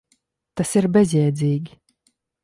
Tas ir bezjēdzīgi.